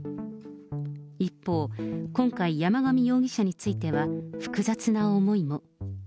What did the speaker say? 一方、今回、山上容疑者については複雑な思いも。